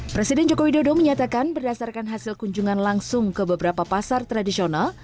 presiden joko widodo menyatakan berdasarkan hasil kunjungan langsung ke beberapa pasar tradisional